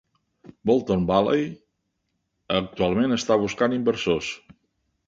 Bolton Valley actualment està buscant inversors.